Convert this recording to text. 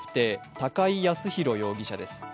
高井靖弘容疑者です。